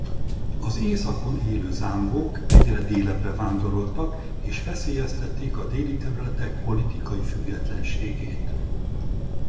Az északon élő zámbók egyre délebbre vándoroltak és veszélyeztették a déli területek politikai függetlenségét.